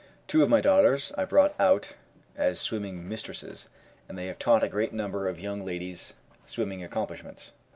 Two of my daughters I brought out as swimming mistresses, and they have taught a great number of young ladies swimming accomplishments.